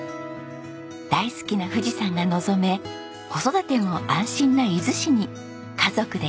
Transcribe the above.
大好きな富士山が望め子育ても安心な伊豆市に家族で移住しました。